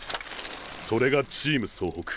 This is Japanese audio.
それがチーム総北。